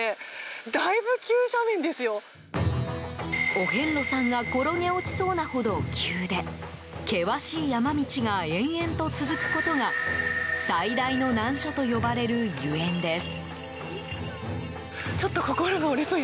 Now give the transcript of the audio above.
お遍路さんが転げ落ちそうなほど急で険しい山道が延々と続くことが最大の難所と呼ばれるゆえんです。